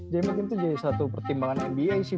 jadi mungkin itu jadi satu pertimbangan nba sih